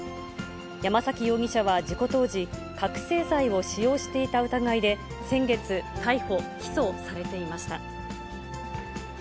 山崎容疑者は事故当時、覚醒剤を使用していた疑いで、先月、逮捕・起訴されていました。